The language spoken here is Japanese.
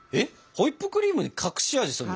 ホイップクリームで隠し味するの？